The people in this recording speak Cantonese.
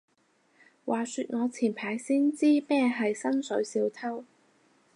話說我前排先知咩係薪水小偷